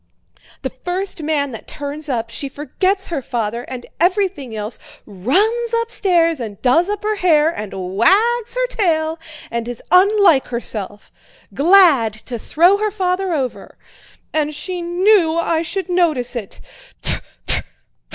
"The first man that turns up—she forgets her father and everything else, runs upstairs and does up her hair and wags her tail and is unlike herself! Glad to throw her father over! And she knew I should notice it.